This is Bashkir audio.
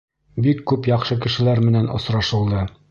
Бик күп яҡшы кешеләр менән осрашылды.